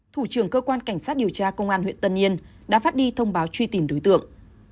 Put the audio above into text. thủ trưởng cơ quan cảnh sát điều tra công an huyện tân yên đã phát đi thông báo truy tìm đối tượng